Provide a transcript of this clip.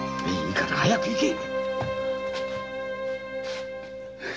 いいから早く行け！